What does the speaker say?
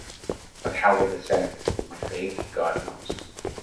But, how will this end?”My faith, God knows.